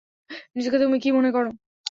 নিজেকে তুমি কী মনে করো?